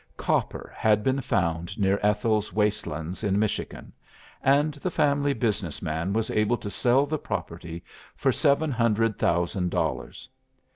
Copper had been found near Ethel's waste lands in Michigan, and the family business man was able to sell the property for seven hundred thousand dollars.